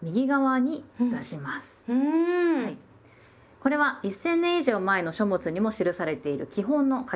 これは一千年以上前の書物にも記されている基本の書き方です。